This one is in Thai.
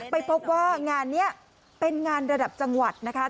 ไปพบว่างานนี้เป็นงานระดับจังหวัดนะคะ